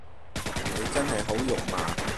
你真係好肉麻